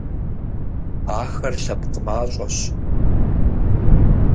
Ахэр лъэпкъ мащӀэщ.